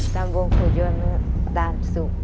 ตำบลขุนยวมตามสุข